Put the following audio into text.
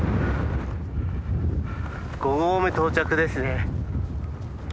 ５合目到着ですね。